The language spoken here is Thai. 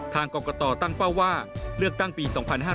ทางกรกตตั้งเป้าว่าเลือกตั้งปี๒๕๕๙